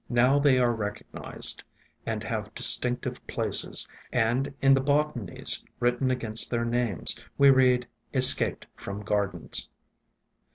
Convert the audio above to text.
Now they are recognized, and have distinc tive places; and in the botanies, written against their names, we read, "Escaped from Gardens."